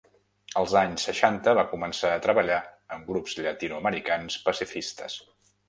Als anys seixanta va començar a treballar amb grups llatinoamericans pacifistes.